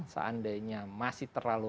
seandainya masih terlalu